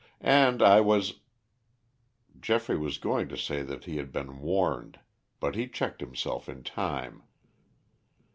And I was " Geoffrey was going to say that he had been warned, but he checked himself in time.